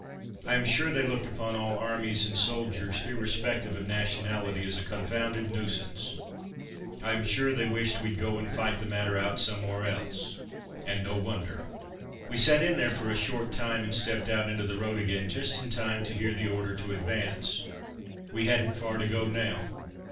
I am sure they looked upon all armies and soldiers, irrespective of nationality, as a confounded nuisance. I am sure they wished we'd go and fight the matter out somewhere else. And no wonder. We sat in there for a short time, and stepped out into the road again just in time to hear the order to advance. We hadn't far to go now.